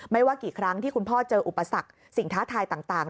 ไม่ว่ากี่ครั้งที่คุณพ่อเจออุปสรรคสิ่งท้าทายต่าง